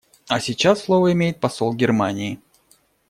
А сейчас слово имеет посол Германии.